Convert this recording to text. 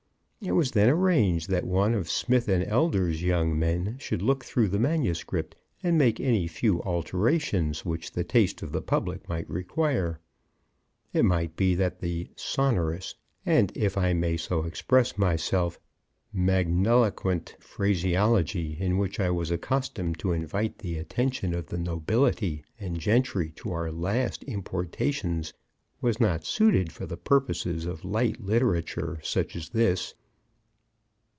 It was then arranged that one of Smith and Elder's young men should look through the manuscript, and make any few alterations which the taste of the public might require. It might be that the sonorous, and, if I may so express myself, magniloquent phraseology in which I was accustomed to invite the attention of the nobility and gentry to our last importations was not suited for the purposes of light literature, such as this.